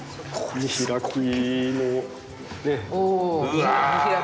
見開きね。